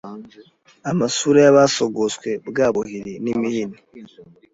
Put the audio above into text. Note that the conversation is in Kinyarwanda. Amasura y’abasogoswe Bwa buhiri n’imihini